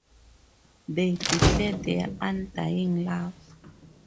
They declare their undying love.